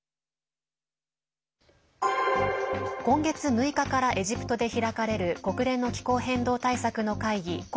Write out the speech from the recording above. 今月６日からエジプトで開かれる国連の気候変動対策の会議